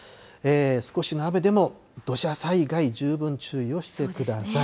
少しの雨でも土砂災害、十分注意をしてください。